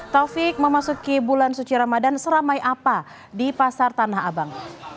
taufik memasuki bulan suci ramadan seramai apa di pasar tanah abang